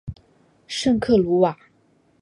圣克鲁瓦。